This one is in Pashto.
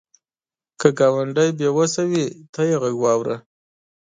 که ګاونډی بې وسه وي، ته یې غږ واوره